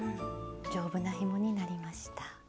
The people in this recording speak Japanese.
丈夫なひもになりました。